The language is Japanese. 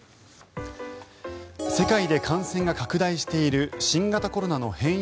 世界で感染が拡大している新型コロナの変異